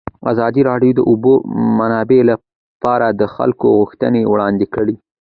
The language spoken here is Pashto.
ازادي راډیو د د اوبو منابع لپاره د خلکو غوښتنې وړاندې کړي.